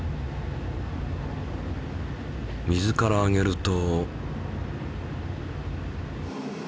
水から上げると。